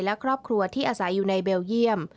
และครอบครัวที่อาศัยอยู่ในเบลเยี่ยม